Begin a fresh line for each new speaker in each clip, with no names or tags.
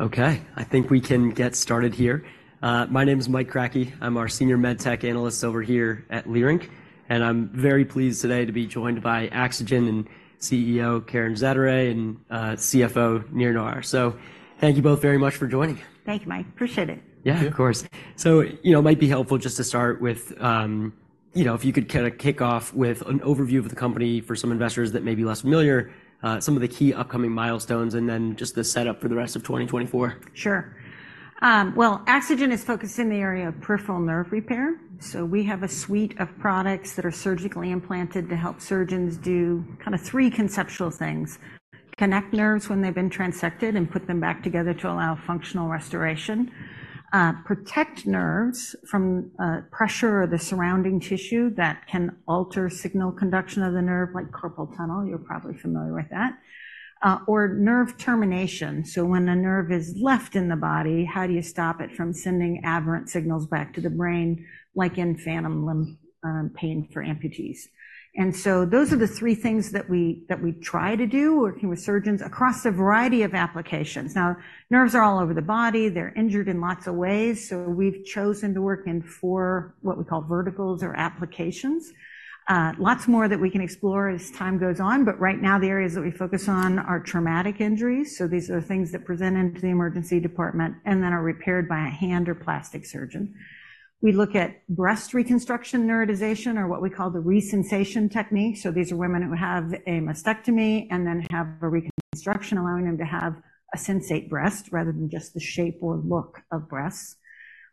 Okay. I think we can get started here. My name's Mike Kratky. I'm our senior MedTech analyst over here at Leerink, and I'm very pleased today to be joined by Axogen CEO Karen Zaderej and CFO Nir Naor. So thank you both very much for joining.
Thank you, Mike. Appreciate it.
Yeah, of course. So, you know, it might be helpful just to start with, you know, if you could kinda kick off with an overview of the company for some investors that may be less familiar, some of the key upcoming milestones, and then just the setup for the rest of 2024.
Sure. Well, Axogen is focused in the area of peripheral nerve repair. So we have a suite of products that are surgically implanted to help surgeons do kinda three conceptual things: connect nerves when they've been transected and put them back together to allow functional restoration. Protect nerves from pressure or the surrounding tissue that can alter signal conduction of the nerve, like carpal tunnel. You're probably familiar with that. Or nerve termination. So when a nerve is left in the body, how do you stop it from sending aberrant signals back to the brain, like in phantom limb pain for amputees? And so those are the three things that we try to do working with surgeons across a variety of applications. Now, nerves are all over the body. They're injured in lots of ways. So we've chosen to work in four what we call verticals or applications. Lots more that we can explore as time goes on, but right now the areas that we focus on are traumatic injuries. These are the things that present into the emergency department and then are repaired by a hand or plastic surgeon. We look at breast reconstruction neurotization, or what we call the Resensation technique. These are women who have a mastectomy and then have a reconstruction allowing them to have a sensate breast rather than just the shape or look of breasts.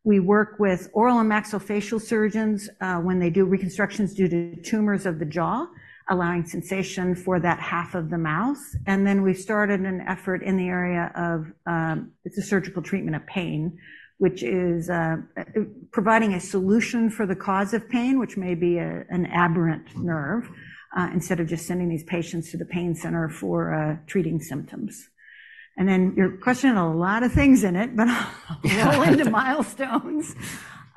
We work with oral and maxillofacial surgeons, when they do reconstructions due to tumors of the jaw, allowing sensation for that half of the mouth. And then we've started an effort in the area of, it's a surgical treatment of pain, which is providing a solution for the cause of pain, which may be an aberrant nerve, instead of just sending these patients to the pain center for treating symptoms. And then your question had a lot of things in it, but I'll roll into milestones.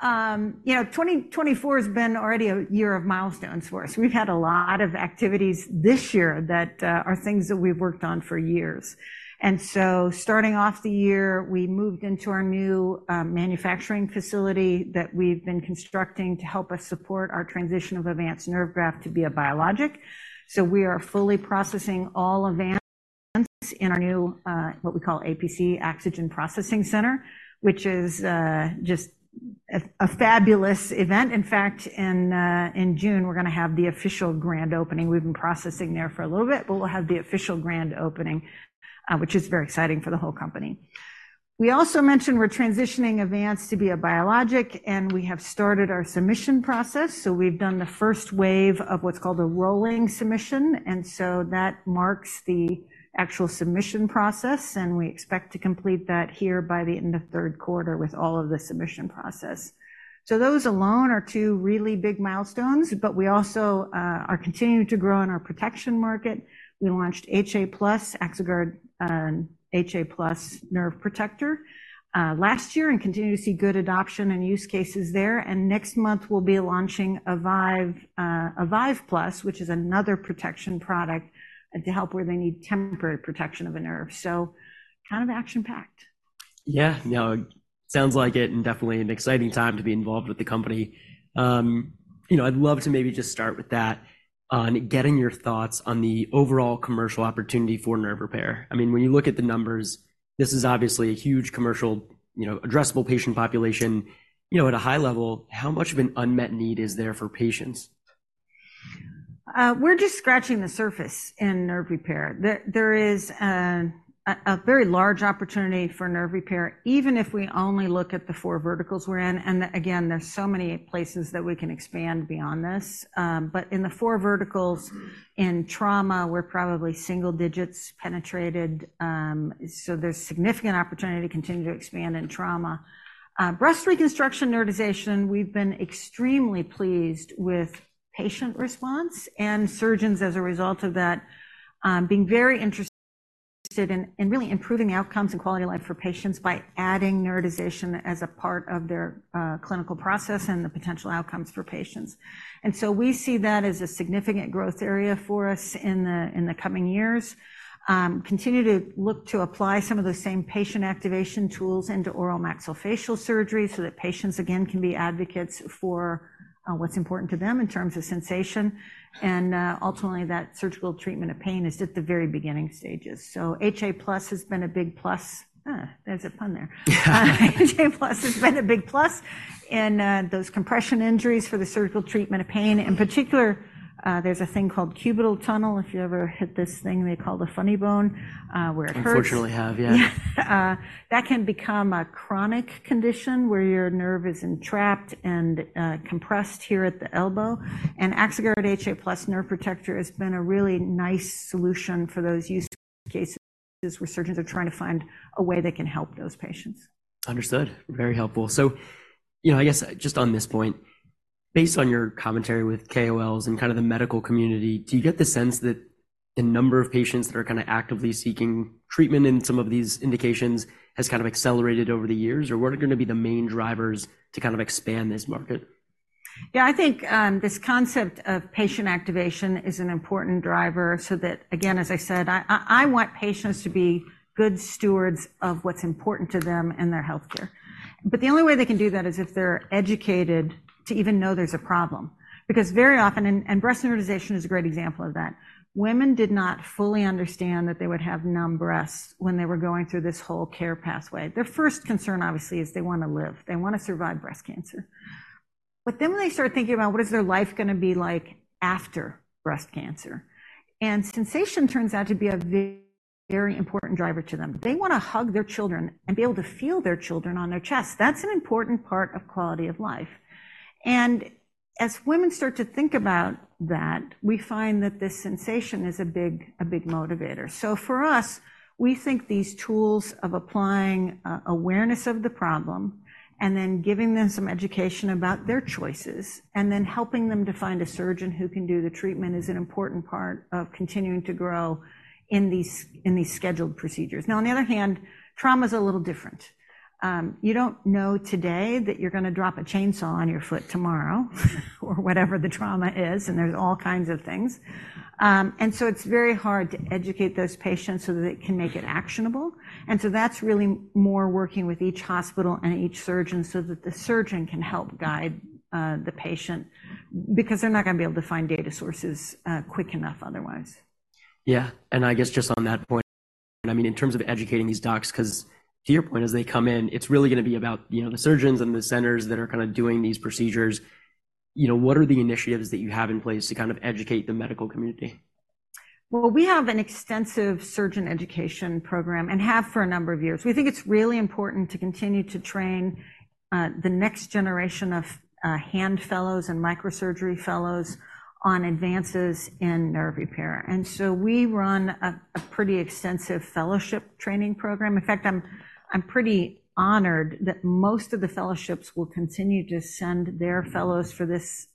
You know, 2024 has been already a year of milestones for us. We've had a lot of activities this year that are things that we've worked on for years. And so starting off the year, we moved into our new manufacturing facility that we've been constructing to help us support our transition of Avance Nerve Graft to be a biologic. So we are fully processing all Avance in our new, what we call APC, Axogen Processing Center, which is just a fabulous event. In fact, in June, we're gonna have the official grand opening. We've been processing there for a little bit, but we'll have the official grand opening, which is very exciting for the whole company. We also mentioned we're transitioning Avance to be a biologic, and we have started our submission process. So we've done the first wave of what's called a rolling submission. And so that marks the actual submission process, and we expect to complete that here by the end of third quarter with all of the submission process. So those alone are two really big milestones, but we also are continuing to grow in our protection market. We launched HA+, Axoguard, HA+ nerve protector, last year and continue to see good adoption and use cases there. And next month we'll be launching Avive, Avive+, which is another protection product to help where they need temporary protection of a nerve. So kind of action-packed.
Yeah. No, it sounds like it and definitely an exciting time to be involved with the company. You know, I'd love to maybe just start with that on getting your thoughts on the overall commercial opportunity for nerve repair. I mean, when you look at the numbers, this is obviously a huge commercially, you know, addressable patient population. You know, at a high level, how much of an unmet need is there for patients?
We're just scratching the surface in nerve repair. There is a very large opportunity for nerve repair, even if we only look at the four verticals we're in. And again, there's so many places that we can expand beyond this. But in the four verticals in trauma, we're probably single digits penetrated. So there's significant opportunity to continue to expand in trauma. Breast reconstruction neurotization, we've been extremely pleased with patient response and surgeons as a result of that, being very interested in really improving the outcomes and quality of life for patients by adding neurotization as a part of their clinical process and the potential outcomes for patients. And so we see that as a significant growth area for us in the coming years. Continue to look to apply some of those same patient activation tools into oral maxillofacial surgery so that patients, again, can be advocates for, what's important to them in terms of sensation. And, ultimately, that surgical treatment of pain is at the very beginning stages. So HA+ has been a big plus. There's a pun there.
Yeah.
HA+ has been a big plus in those compression injuries for the surgical treatment of pain. In particular, there's a thing called cubital tunnel. If you ever hit this thing, they call it a funny bone, where it hurts.
Unfortunately, I have, yeah.
Yeah. That can become a chronic condition where your nerve is entrapped and compressed here at the elbow. And Axoguard HA+ Nerve Protector has been a really nice solution for those use cases where surgeons are trying to find a way that can help those patients.
Understood. Very helpful. So, you know, I guess just on this point, based on your commentary with KOLs and kind of the medical community, do you get the sense that the number of patients that are kind of actively seeking treatment in some of these indications has kind of accelerated over the years, or what are gonna be the main drivers to kind of expand this market?
Yeah, I think this concept of patient activation is an important driver so that, again, as I said, I want patients to be good stewards of what's important to them in their healthcare. But the only way they can do that is if they're educated to even know there's a problem. Because very often, and breast neurotization is a great example of that, women did not fully understand that they would have numb breasts when they were going through this whole care pathway. Their first concern, obviously, is they wanna live. They wanna survive breast cancer. But then when they start thinking about what is their life gonna be like after breast cancer, and sensation turns out to be a very important driver to them. They wanna hug their children and be able to feel their children on their chest. That's an important part of quality of life. And as women start to think about that, we find that this sensation is a big motivator. So for us, we think these tools of applying awareness of the problem and then giving them some education about their choices and then helping them to find a surgeon who can do the treatment is an important part of continuing to grow in these scheduled procedures. Now, on the other hand, trauma's a little different. You don't know today that you're gonna drop a chainsaw on your foot tomorrow or whatever the trauma is, and there's all kinds of things. And so it's very hard to educate those patients so that they can make it actionable. That's really more working with each hospital and each surgeon so that the surgeon can help guide the patient because they're not gonna be able to find data sources quick enough otherwise.
Yeah. I guess just on that point, I mean, in terms of educating these docs, 'cause to your point, as they come in, it's really gonna be about, you know, the surgeons and the centers that are kind of doing these procedures. You know, what are the initiatives that you have in place to kind of educate the medical community?
Well, we have an extensive surgeon education program and have for a number of years. We think it's really important to continue to train the next generation of hand fellows and microsurgery fellows on advances in nerve repair. And so we run a pretty extensive fellowship training program. In fact, I'm pretty honored that most of the fellowships will continue to send their fellows for this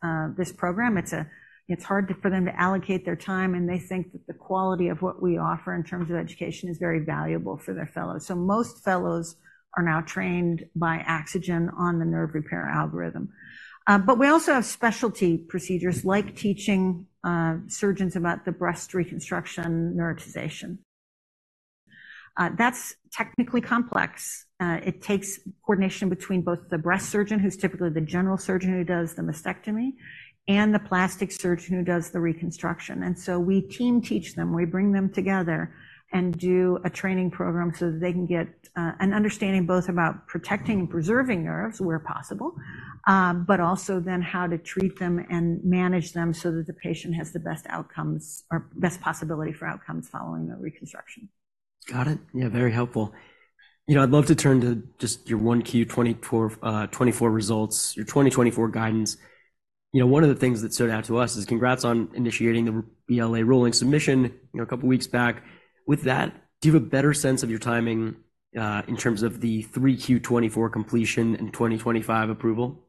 program. It's hard for them to allocate their time, and they think that the quality of what we offer in terms of education is very valuable for their fellows. So most fellows are now trained by Axogen on the nerve repair algorithm. But we also have specialty procedures like teaching surgeons about the breast reconstruction neurotization. That's technically complex. It takes coordination between both the breast surgeon, who's typically the general surgeon who does the mastectomy, and the plastic surgeon who does the reconstruction. And so we team-teach them. We bring them together and do a training program so that they can get an understanding both about protecting and preserving nerves where possible, but also then how to treat them and manage them so that the patient has the best outcomes or best possibility for outcomes following the reconstruction.
Got it. Yeah, very helpful. You know, I'd love to turn to just your Q1 2024 results, your 2024 guidance. You know, one of the things that stood out to us is congrats on initiating the BLA rolling submission, you know, a couple of weeks back. With that, do you have a better sense of your timing, in terms of the Q3 2024 completion and 2025 approval?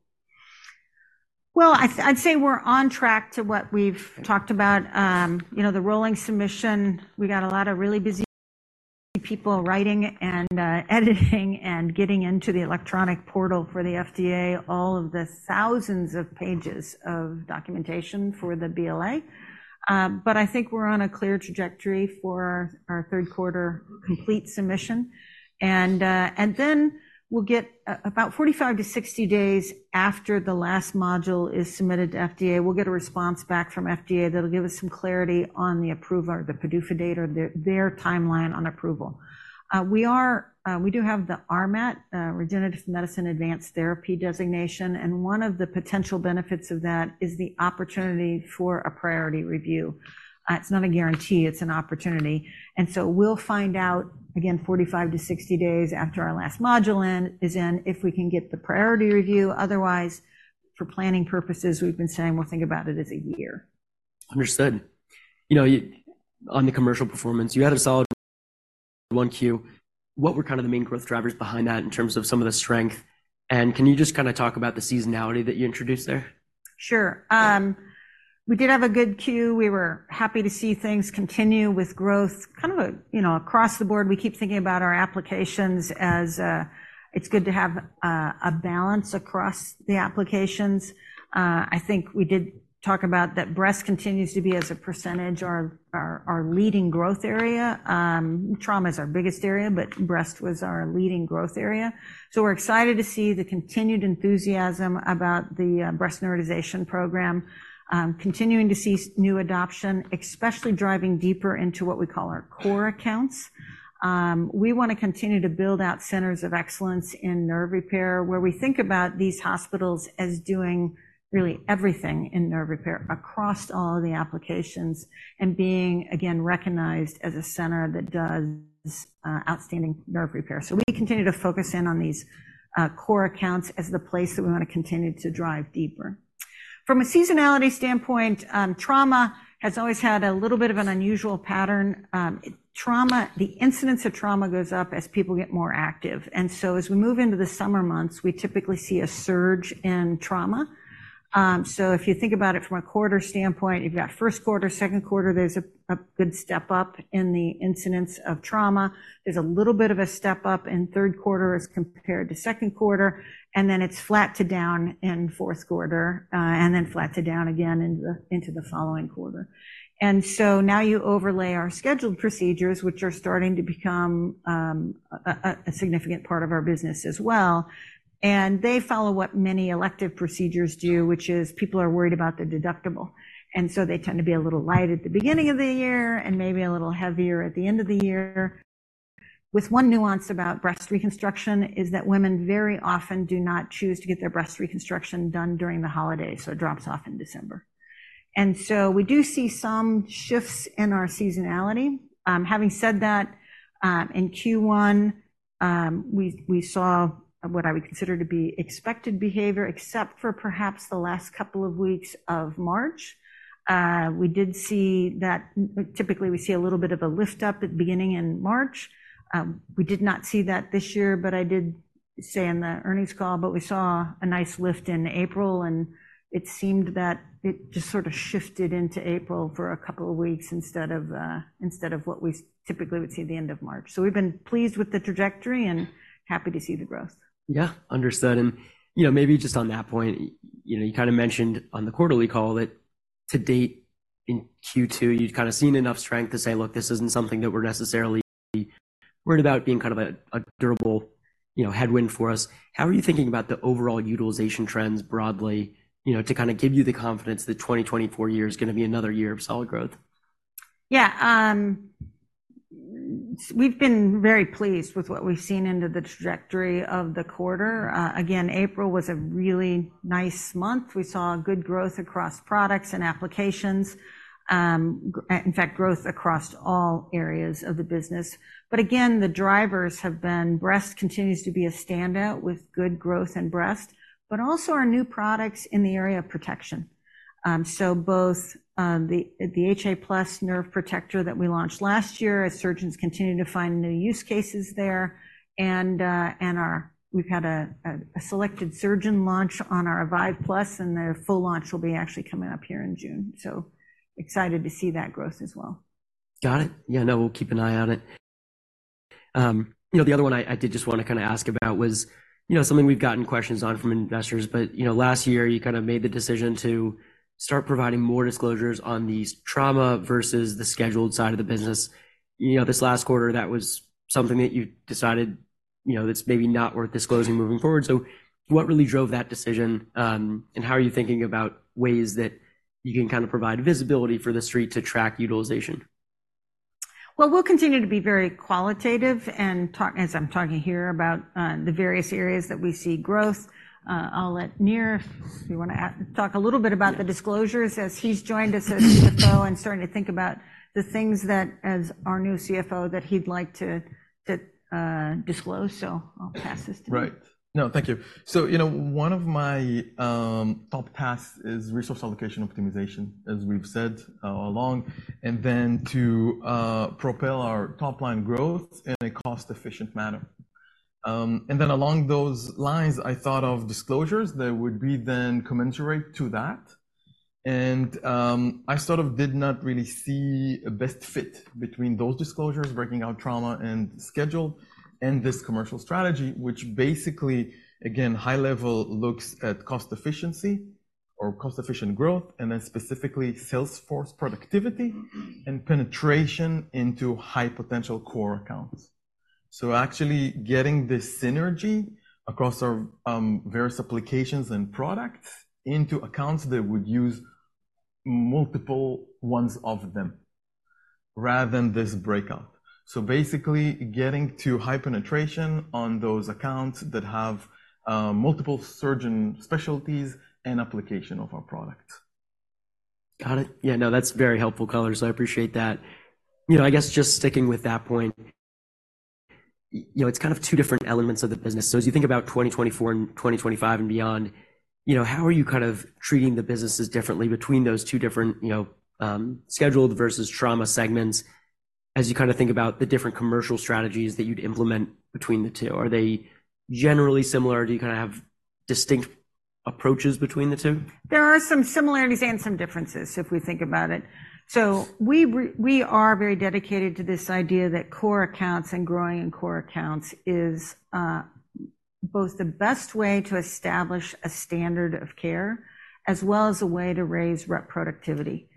Well, I'd say we're on track to what we've talked about. You know, the rolling submission, we got a lot of really busy people writing and editing and getting into the electronic portal for the FDA, all of the thousands of pages of documentation for the BLA. But I think we're on a clear trajectory for our third quarter complete submission. And then we'll get about 45-60 days after the last module is submitted to FDA, we'll get a response back from FDA that'll give us some clarity on the approval or the PDUFA date or their timeline on approval. We do have the RMAT, Regenerative Medicine Advanced Therapy designation. And one of the potential benefits of that is the opportunity for a priority review. It's not a guarantee. It's an opportunity. And so we'll find out, again, 45-60 days after our last module is in, if we can get the priority review. Otherwise, for planning purposes, we've been saying we'll think about it as a year.
Understood. You know, you on the commercial performance, you had a solid Q1. What were kind of the main growth drivers behind that in terms of some of the strength? And can you just kind of talk about the seasonality that you introduced there?
Sure. We did have a good Q. We were happy to see things continue with growth kind of a, you know, across the board. We keep thinking about our applications as, it's good to have, a balance across the applications. I think we did talk about that breast continues to be as a percentage our, our, our leading growth area. Trauma is our biggest area, but breast was our leading growth area. So we're excited to see the continued enthusiasm about the, breast neurotization program, continuing to see new adoption, especially driving deeper into what we call our core accounts. We wanna continue to build out centers of excellence in nerve repair where we think about these hospitals as doing really everything in nerve repair across all of the applications and being, again, recognized as a center that does, outstanding nerve repair. So we continue to focus in on these core accounts as the place that we wanna continue to drive deeper. From a seasonality standpoint, trauma has always had a little bit of an unusual pattern. Trauma, the incidence of trauma goes up as people get more active. And so as we move into the summer months, we typically see a surge in trauma. So if you think about it from a quarter standpoint, you've got first quarter, second quarter, there's a good step up in the incidence of trauma. There's a little bit of a step up in third quarter as compared to second quarter. And then it's flat to down in fourth quarter, and then flat to down again into the following quarter. And so now you overlay our scheduled procedures, which are starting to become a significant part of our business as well. They follow what many elective procedures do, which is people are worried about the deductible. So they tend to be a little light at the beginning of the year and maybe a little heavier at the end of the year. With one nuance about breast reconstruction is that women very often do not choose to get their breast reconstruction done during the holidays, so it drops off in December. So we do see some shifts in our seasonality. Having said that, in Q1, we saw what I would consider to be expected behavior except for perhaps the last couple of weeks of March. We did see that typically we see a little bit of a lift up at the beginning in March. We did not see that this year, but I did say in the earnings call, but we saw a nice lift in April, and it seemed that it just sort of shifted into April for a couple of weeks instead of what we typically would see at the end of March. So we've been pleased with the trajectory and happy to see the growth.
Yeah, understood. And, you know, maybe just on that point, you know, you kind of mentioned on the quarterly call that to date in Q2, you'd kind of seen enough strength to say, "Look, this isn't something that we're necessarily worried about being kind of a, a durable, you know, headwind for us." How are you thinking about the overall utilization trends broadly, you know, to kind of give you the confidence that 2024 year is gonna be another year of solid growth?
Yeah, we've been very pleased with what we've seen into the trajectory of the quarter. Again, April was a really nice month. We saw good growth across products and applications. In fact, growth across all areas of the business. But again, the drivers have been breast continues to be a standout with good growth in breast, but also our new products in the area of protection. So both the HA+ Nerve Protector that we launched last year, as surgeons continue to find new use cases there, and we've had a selected surgeon launch on our Avive+, and the full launch will be actually coming up here in June. So excited to see that growth as well.
Got it. Yeah, no, we'll keep an eye on it. You know, the other one I did just wanna kind of ask about was, you know, something we've gotten questions on from investors, but, you know, last year, you kind of made the decision to start providing more disclosures on these trauma versus the scheduled side of the business. You know, this last quarter, that was something that you decided, you know, that's maybe not worth disclosing moving forward. So what really drove that decision, and how are you thinking about ways that you can kind of provide visibility for the street to track utilization?
Well, we'll continue to be very qualitative and talk as I'm talking here about the various areas that we see growth. I'll let Nir, if you wanna talk a little bit about the disclosures as he's joined us as CFO and starting to think about the things that as our new CFO that he'd like to disclose. So I'll pass this to him.
Right. No, thank you. So, you know, one of my top tasks is resource allocation optimization, as we've said, along and then to propel our top-line growth in a cost-efficient manner. And then along those lines, I thought of disclosures that would be then commensurate to that. And I sort of did not really see a best fit between those disclosures, breaking out trauma and scheduled, and this commercial strategy, which basically, again, high-level looks at cost efficiency or cost-efficient growth, and then specifically sales force productivity and penetration into high-potential core accounts. So actually getting this synergy across our various applications and products into accounts that would use multiple ones of them rather than this breakout. So basically getting to high penetration on those accounts that have multiple surgeon specialties and application of our products.
Got it. Yeah, no, that's very helpful color. So I appreciate that. You know, I guess just sticking with that point, you know, it's kind of two different elements of the business. So as you think about 2024 and 2025 and beyond, you know, how are you kind of treating the businesses differently between those two different, you know, scheduled versus trauma segments as you kind of think about the different commercial strategies that you'd implement between the two? Are they generally similar? Do you kind of have distinct approaches between the two?
There are some similarities and some differences, if we think about it. So we are very dedicated to this idea that core accounts and growing in core accounts is both the best way to establish a standard of care as well as a way to raise rep productivity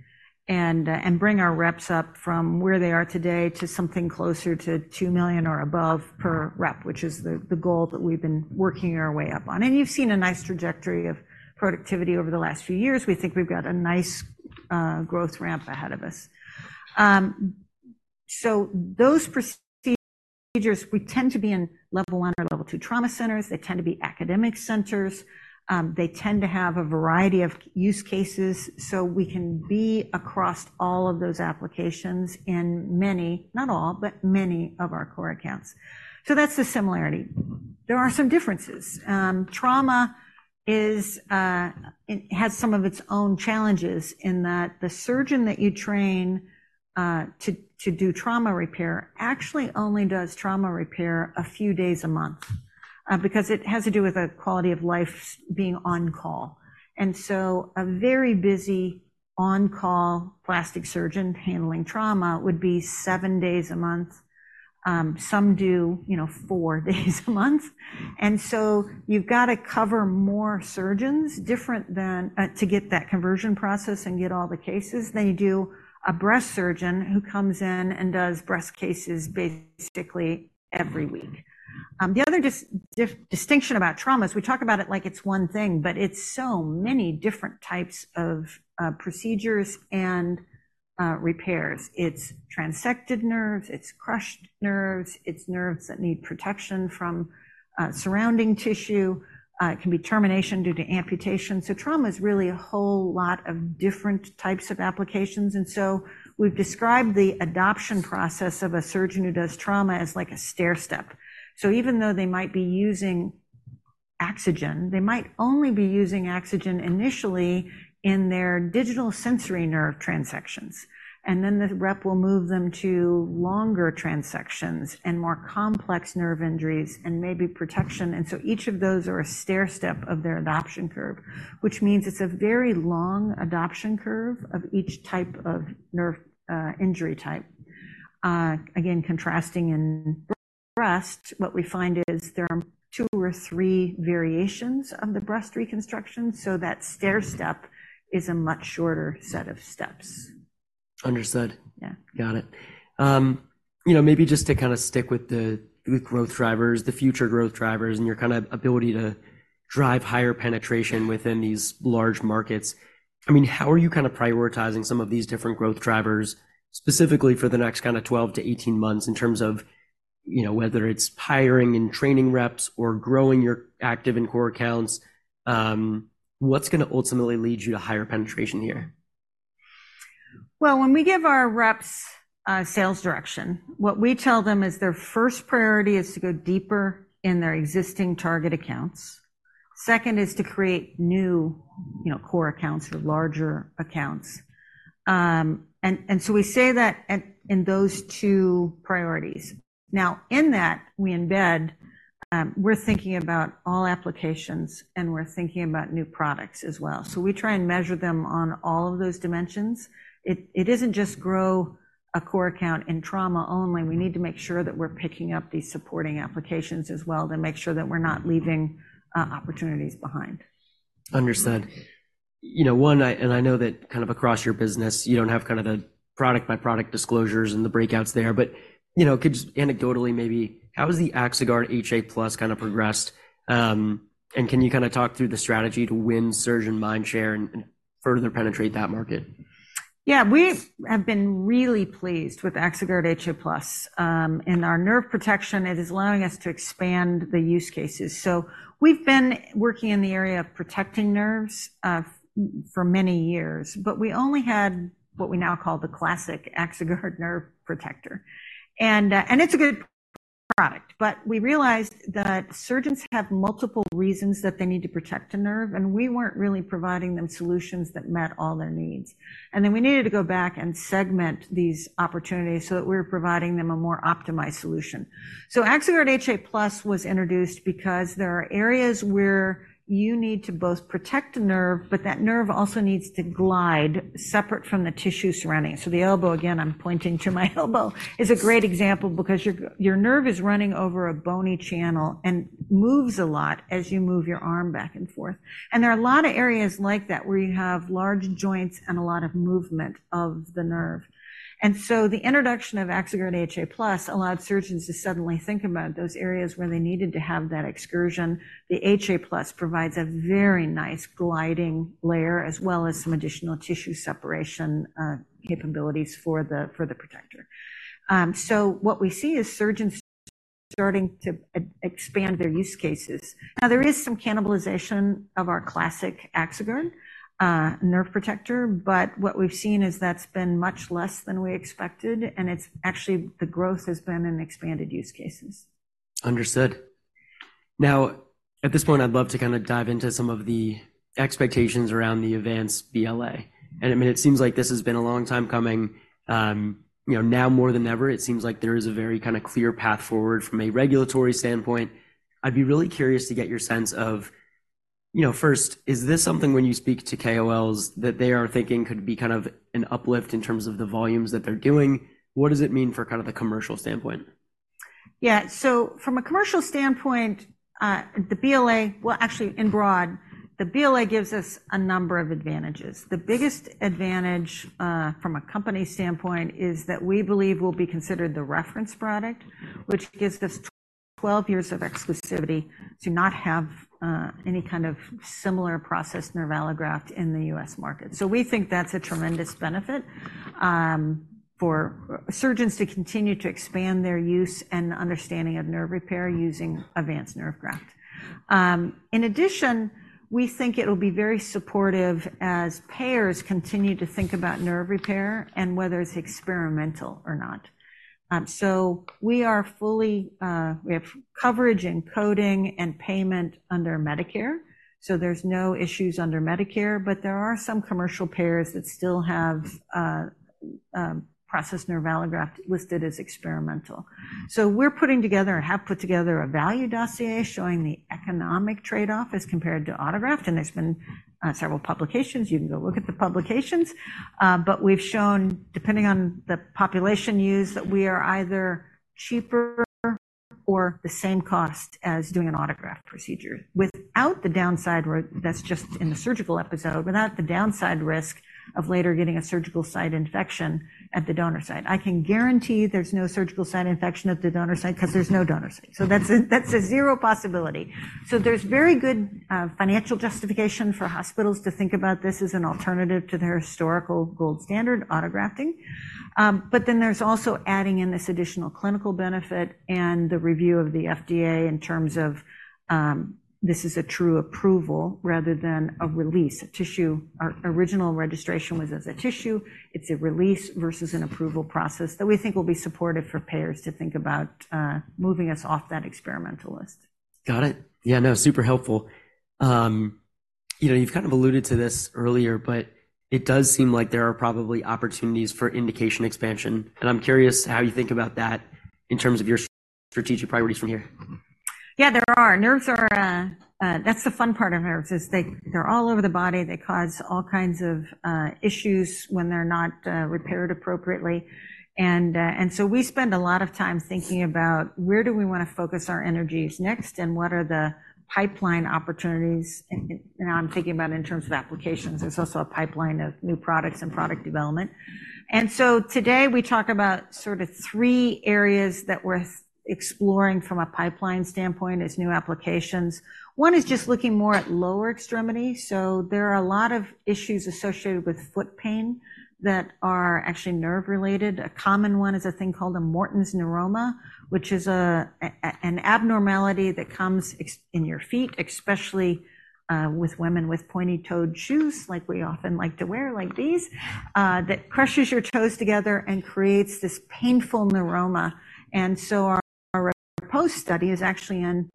and bring our reps up from where they are today to something closer to $2 million or above per rep, which is the goal that we've been working our way up on. And you've seen a nice trajectory of productivity over the last few years. We think we've got a nice growth ramp ahead of us. So those procedures, we tend to be in level one or level two trauma centers. They tend to be academic centers. They tend to have a variety of use cases. So we can be across all of those applications in many, not all, but many of our core accounts. So that's the similarity. There are some differences. Trauma is, it has some of its own challenges in that the surgeon that you train to do trauma repair actually only does trauma repair a few days a month, because it has to do with the quality of life being on call. And so a very busy on-call plastic surgeon handling trauma would be seven days a month. Some do, you know, four days a month. And so you've got to cover more surgeons different than, to get that conversion process and get all the cases than you do a breast surgeon who comes in and does breast cases basically every week. The other distinction about trauma is we talk about it like it's one thing, but it's so many different types of procedures and repairs. It's transected nerves. It's crushed nerves. It's nerves that need protection from surrounding tissue. It can be termination due to amputation. So trauma is really a whole lot of different types of applications. And so we've described the adoption process of a surgeon who does trauma as like a stairstep. So even though they might be using Axogen, they might only be using Axogen initially in their digital sensory nerve transections. And then the rep will move them to longer transections and more complex nerve injuries and maybe protection. And so each of those are a stairstep of their adoption curve, which means it's a very long adoption curve of each type of nerve injury type. Again, contrasting in breast, what we find is there are two or three variations of the breast reconstruction. So that stairstep is a much shorter set of steps.
Understood.
Yeah.
Got it. You know, maybe just to kind of stick with the, the growth drivers, the future growth drivers, and your kind of ability to drive higher penetration within these large markets. I mean, how are you kind of prioritizing some of these different growth drivers specifically for the next kind of 12-18 months in terms of, you know, whether it's hiring and training reps or growing your active and core accounts? What's gonna ultimately lead you to higher penetration here?
Well, when we give our reps sales direction, what we tell them is their first priority is to go deeper in their existing target accounts. Second is to create new, you know, core accounts or larger accounts. And so we say that in those two priorities. Now, in that, we embed; we're thinking about all applications, and we're thinking about new products as well. So we try and measure them on all of those dimensions. It isn't just grow a core account in trauma only. We need to make sure that we're picking up these supporting applications as well to make sure that we're not leaving opportunities behind.
Understood. You know, I know that kind of across your business, you don't have kind of the product-by-product disclosures and the breakouts there. But, you know, could just anecdotally maybe how has the Axoguard Nerve Protector kind of progressed? And can you kind of talk through the strategy to win surgeon mindshare and further penetrate that market?
Yeah, we have been really pleased with Axoguard Nerve Protector in our nerve protection. It is allowing us to expand the use cases. So we've been working in the area of protecting nerves for many years, but we only had what we now call the classic Axoguard Nerve Protector. And, and it's a good product, but we realized that surgeons have multiple reasons that they need to protect a nerve, and we weren't really providing them solutions that met all their needs. And then we needed to go back and segment these opportunities so that we were providing them a more optimized solution. So Axoguard Nerve Protector was introduced because there are areas where you need to both protect a nerve, but that nerve also needs to glide separate from the tissue surrounding. So the elbow, again, I'm pointing to my elbow, is a great example because your, your nerve is running over a bony channel and moves a lot as you move your arm back and forth. And there are a lot of areas like that where you have large joints and a lot of movement of the nerve. And so the introduction of Axoguard allowed surgeons to suddenly think about those areas where they needed to have that excursion. The HA+ provides a very nice gliding layer as well as some additional tissue separation capabilities for the protector. So what we see is surgeons starting to expand their use cases. Now, there is some cannibalization of our classic Axoguard Nerve Protector, but what we've seen is that's been much less than we expected, and it's actually the growth has been in expanded use cases.
Understood. Now, at this point, I'd love to kind of dive into some of the expectations around the Avance BLA. And I mean, it seems like this has been a long time coming. You know, now more than ever, it seems like there is a very kind of clear path forward from a regulatory standpoint. I'd be really curious to get your sense of, you know, first, is this something when you speak to KOLs that they are thinking could be kind of an uplift in terms of the volumes that they're doing? What does it mean for kind of the commercial standpoint?
Yeah, so from a commercial standpoint, the BLA, well, actually in broad, the BLA gives us a number of advantages. The biggest advantage, from a company standpoint, is that we believe we'll be considered the reference product, which gives us 12 years of exclusivity to not have any kind of similar processed nerve allograft in the U.S. market. So we think that's a tremendous benefit for surgeons to continue to expand their use and understanding of nerve repair using advanced nerve graft. In addition, we think it'll be very supportive as payers continue to think about nerve repair and whether it's experimental or not. So we are fully, we have coverage and coding and payment under Medicare. So there's no issues under Medicare, but there are some commercial payers that still have processed nerve allograft listed as experimental. We're putting together and have put together a value dossier showing the economic trade-off as compared to autograft. There's been several publications. You can go look at the publications. But we've shown, depending on the population use, that we are either cheaper or the same cost as doing an autograft procedure without the downside where that's just in the surgical episode, without the downside risk of later getting a surgical site infection at the donor site. I can guarantee there's no surgical site infection at the donor site because there's no donor site. So that's a zero possibility. So there's very good financial justification for hospitals to think about this as an alternative to their historical gold standard, autografting. but then there's also adding in this additional clinical benefit and the review of the FDA in terms of, this is a true approval rather than a release. A tissue, our original registration was as a tissue. It's a release versus an approval process that we think will be supportive for payers to think about, moving us off that experimental list.
Got it. Yeah, no, super helpful. You know, you've kind of alluded to this earlier, but it does seem like there are probably opportunities for indication expansion. I'm curious how you think about that in terms of your strategic priorities from here.
Yeah, there are. Nerves are, that's the fun part of nerves is they're all over the body. They cause all kinds of issues when they're not repaired appropriately. So we spend a lot of time thinking about where do we want to focus our energies next and what are the pipeline opportunities. Now I'm thinking about in terms of applications. There's also a pipeline of new products and product development. So today we talk about sort of three areas that we're exploring from a pipeline standpoint as new applications. One is just looking more at lower extremities. So there are a lot of issues associated with foot pain that are actually nerve-related. A common one is a thing called a Morton's neuroma, which is an abnormality that comes in your feet, especially with women with pointy-toed shoes like we often like to wear like these, that crushes your toes together and creates this painful neuroma. So our post-study is actually on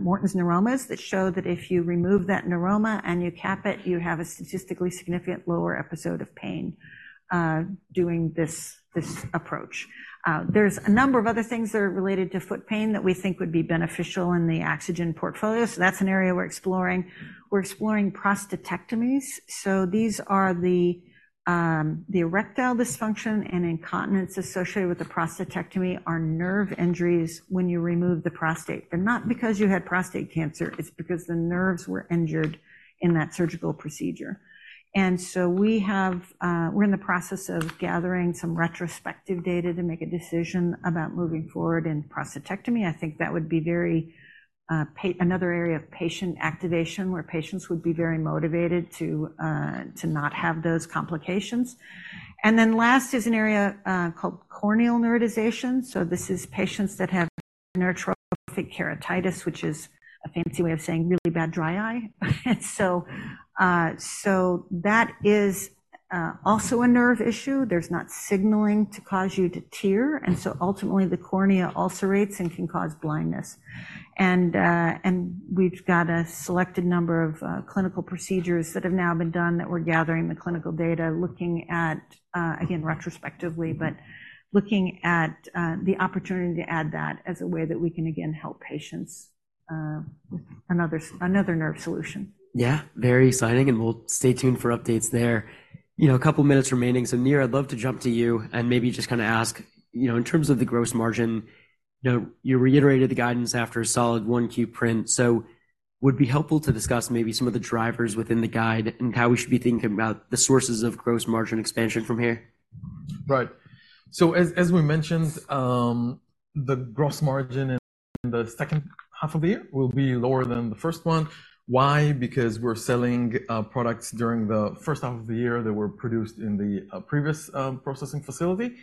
Morton's neuromas that show that if you remove that neuroma and you cap it, you have a statistically significant lower episode of pain doing this approach. There's a number of other things that are related to foot pain that we think would be beneficial in the Axogen portfolio. So that's an area we're exploring. We're exploring prostatectomies. So these are the erectile dysfunction and incontinence associated with the prostatectomy are nerve injuries when you remove the prostate. And not because you had prostate cancer. It's because the nerves were injured in that surgical procedure. And so we have, we're in the process of gathering some retrospective data to make a decision about moving forward in prostatectomy. I think that would be very, another area of patient activation where patients would be very motivated to, to not have those complications. And then last is an area, called corneal neurotization. So this is patients that have neurotrophic keratitis, which is a fancy way of saying really bad dry eye. And so, so that is, also a nerve issue. There's not signaling to cause you to tear. And so ultimately, the cornea ulcerates and can cause blindness. And, and we've got a selected number of, clinical procedures that have now been done that we're gathering the clinical data, looking at, again, retrospectively, but looking at, the opportunity to add that as a way that we can, again, help patients, with another another nerve solution.
Yeah, very exciting. We'll stay tuned for updates there. You know, a couple of minutes remaining. So Nir, I'd love to jump to you and maybe just kind of ask, you know, in terms of the gross margin, you know, you reiterated the guidance after a solid Q1 print. So would it be helpful to discuss maybe some of the drivers within the guide and how we should be thinking about the sources of gross margin expansion from here?
Right. So as we mentioned, the gross margin in the second half of the year will be lower than the first one. Why? Because we're selling products during the first half of the year that were produced in the previous processing facility.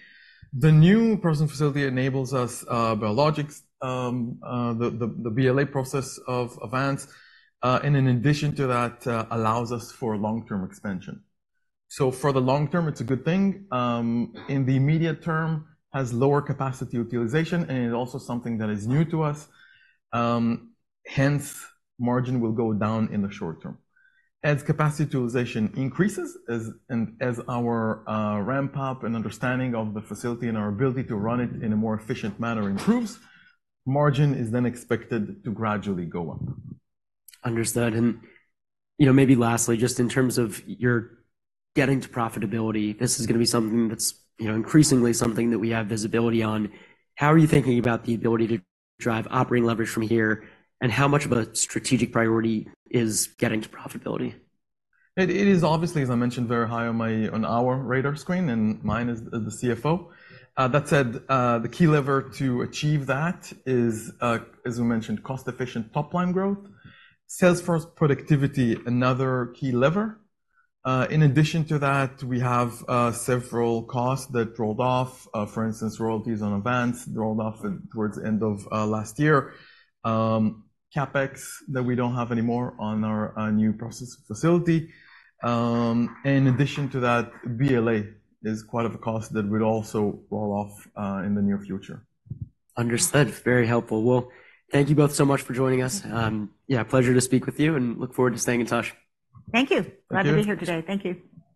The new processing facility enables us biologic, the BLA process of Avance. And in addition to that, allows us for long-term expansion. So for the long term, it's a good thing. In the immediate term, it has lower capacity utilization, and it's also something that is new to us. Hence, margin will go down in the short term. As capacity utilization increases, and as our ramp-up and understanding of the facility and our ability to run it in a more efficient manner improves, margin is then expected to gradually go up.
Understood. And, you know, maybe lastly, just in terms of your getting to profitability, this is going to be something that's, you know, increasingly something that we have visibility on. How are you thinking about the ability to drive operating leverage from here, and how much of a strategic priority is getting to profitability?
It is obviously, as I mentioned, very high on my, on our radar screen, and mine is the CFO. That said, the key lever to achieve that is, as we mentioned, cost-efficient top-line growth, salesforce productivity, another key lever. In addition to that, we have several costs that rolled off. For instance, royalties on Avance rolled off towards the end of last year. CapEx that we don't have anymore on our new processing facility. In addition to that, BLA is quite a cost that would also roll off in the near future.
Understood. Very helpful. Well, thank you both so much for joining us. Yeah, pleasure to speak with you and look forward to staying in touch.
Thank you. Glad to be here today. Thank you.